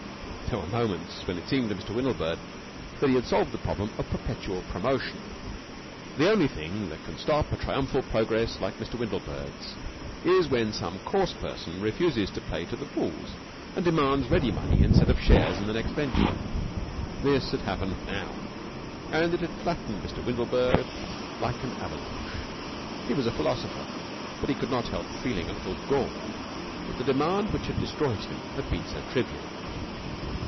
There were moments when it seemed to Mr. Windlebird that he had solved the problem of Perpetual Promotion. The only thing that can stop a triumphal progress like Mr. Windlebird's is when some coarse person refuses to play to the rules, and demands ready money instead of shares in the next venture. This had happened now, and it had flattened Mr. Windlebird like an avalanche. He was a philosopher, but he could not help feeling a little galled that the demand which had destroyed him had been so trivial.